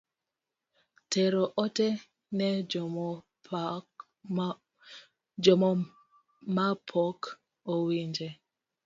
Tero ote ne jomapok owinje